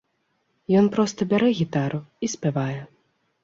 Ён проста бярэ гітару і спявае.